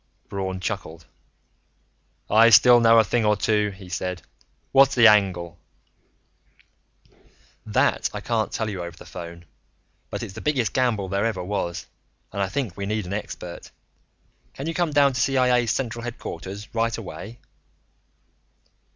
Braun chuckled. "I still know a thing or two," he said. "What's the angle?" "That I can't tell you over the phone. But it's the biggest gamble there ever was, and I think we need an expert. Can you come down to CIA's central headquarters right away?"